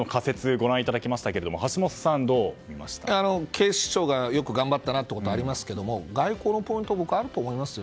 ご覧いただきましたけれども警視庁がよく頑張ったなということはありますが外交のポイントあると思いますよ。